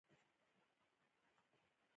دماغ په خوب فعال وي.